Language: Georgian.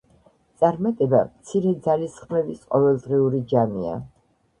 წარმატება მცირე ძალისხმევის ყოველდღიური ჯამია.